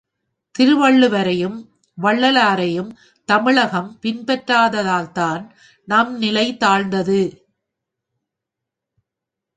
திருவள்ளுவரையும் வள்ளலாரையும் தமிழகம் பின்பற்றாததால்தான் நம்நிலை தாழ்ந்தது.